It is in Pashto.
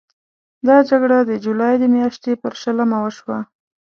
دا جګړه د جولای د میاشتې پر شلمه وشوه.